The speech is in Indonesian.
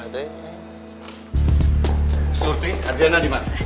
kok semakin parah sayang